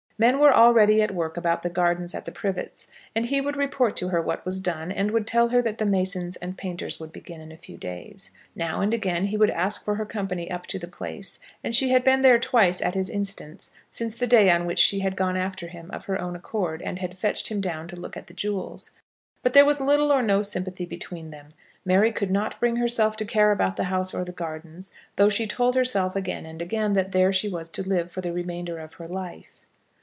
Men were already at work about the gardens at the Privets, and he would report to her what was done, and would tell her that the masons and painters would begin in a few days. Now and again he would ask for her company up to the place; and she had been there twice at his instance since the day on which she had gone after him of her own accord, and had fetched him down to look at the jewels. But there was little or no sympathy between them. Mary could not bring herself to care about the house or the gardens, though she told herself again and again that there was she to live for the remainder of her life.